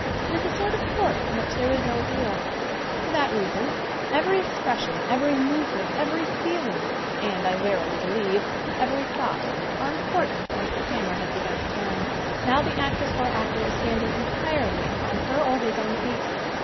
It is a sort of court from which there is no appeal. For that reason everv exoression, every movement, every feeling and, I verily be lieve, every thought are important once the camera has begun to turn. Now the actress or actor is standing entirely upon her or his own feet.